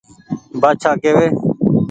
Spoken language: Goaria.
بآڇآ ڪيوي